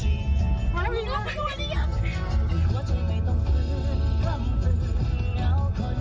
นี่เปิดหนึ่งแล้วเข้ามา